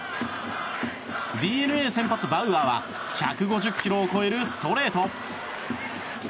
ＤｅＮＡ先発、バウアーは１５０キロを超えるストレート。